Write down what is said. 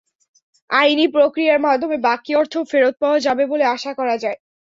আইনি প্রক্রিয়ার মাধ্যমে বাকি অর্থও ফেরত পাওয়া যাবে বলে আশা করা যায়।